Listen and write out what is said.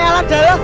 eh alat dahulu